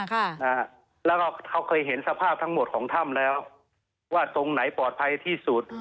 ค่ะนะฮะแล้วก็เขาเคยเห็นสภาพทั้งหมดของถ้ำแล้วว่าตรงไหนปลอดภัยที่สุด